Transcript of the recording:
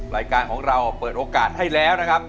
รายการของเราเปิดโอกาสให้แล้วนะครับ